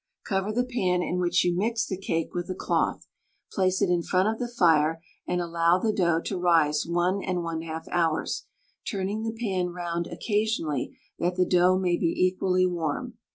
Cover the pan in which you mix the cake with a cloth, place it in front of the fire, and allow the dough to rise 1 1/2 hours, turning the pan round occasionally that the dough may be equally warm.